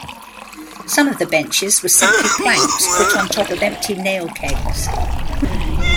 Some of the benches were simply planks put on top of empty nail kegs.